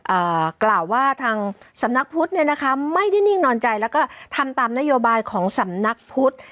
อ่ากล่าวว่าทางสำนักพุทธเนี่ยนะคะไม่ได้นิ่งนอนใจแล้วก็ทำตามนโยบายของสำนักพุทธ